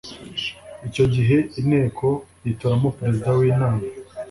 icyo gihe inteko yitoramo perezida w’inama